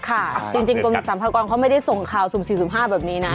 ค่ะจริงกรมสรรพากรเขาไม่ได้ส่งข่าว๐๔๐๕แบบนี้นะ